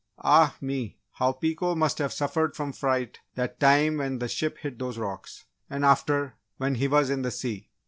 Ah, me! How Pico must have suffered from fright that time when the ship hit those rocks! And after, when he was in the sea!"